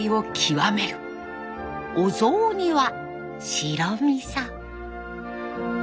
お雑煮は白みそ。